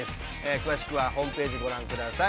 詳しくは、ホームページをご確認ください！